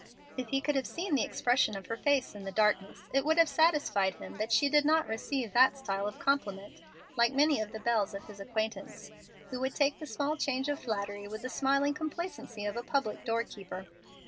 If he could have seen the expression of her face in the darkness it would have satisfied him that she did not receive that style of compliment like many of the belles of his acquaintance, who would take the small change of flattery with the smiling complacency of a public door keeper.